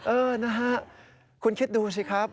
เออนะฮะคุณคิดดูสิครับ